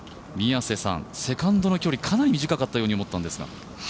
セカンドの距離、かなり短かったように思ったんですが。